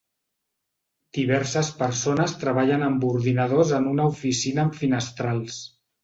Diverses persones treballen amb ordinadors en una oficina amb finestrals.